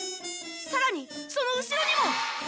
さらにその後ろにも！